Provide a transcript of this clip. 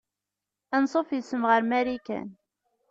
Anṣuf yes-m ɣer Marikan.